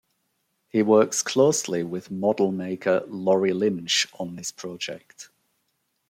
He works closely with model-maker Laurie Lynch on this project.